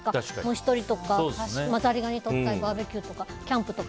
虫取りとかザリガニとったりとかバーベキューとかキャンプとか。